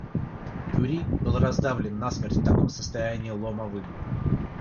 Кюри был раздавлен насмерть в таком состоянии ломовым.